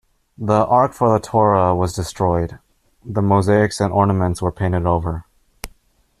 The ark for the torah was destroyed; the mosaics and ornaments were painted over.